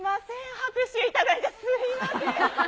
拍手いただいて、すみません。